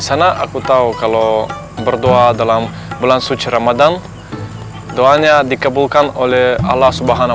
sana aku tahu kalau berdoa dalam bulan suci ramadan doanya dikabulkan oleh allah swt